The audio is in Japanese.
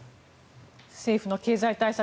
政府の経済対策